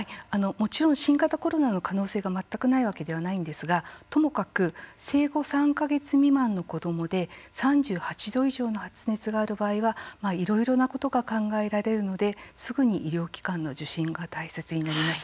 もちろん新型コロナの可能性が全くないわけではないんですが、ともかく生後３か月未満の子どもで３８度以上の発熱がある場合はいろいろなことが考えられるのですぐに医療機関の受診が大切になります。